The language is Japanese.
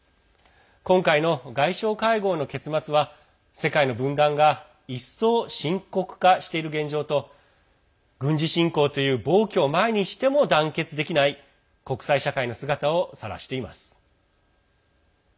今回の外相会合の結末は世界の分断が一層、深刻化している現状と軍事侵攻という暴挙を前にしても団結できない国際社会の姿をさらしています。